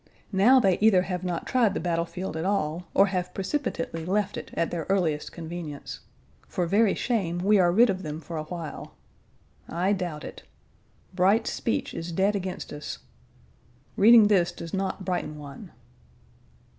Now they either have not tried the battle field at all, or have precipitately left it at their earliest convenience: for very shame we are rid of them for a while. I doubt it. Bright's speech1 is dead against us. Reading this does not brighten one.